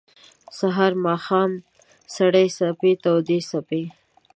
سهار ، ماښام سړې څپې تودي څپې